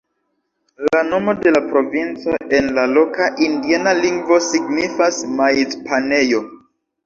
La nomo de la provinco en la loka indiana lingvo signifas "maiz-panejo".